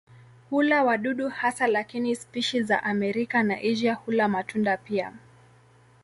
Hula wadudu hasa lakini spishi za Amerika na Asia hula matunda pia.